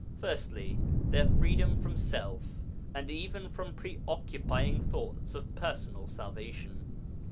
Firstly, their freedom from self, and even from pre occupying thoughts of personal salvation.